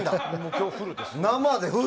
今日はフルです。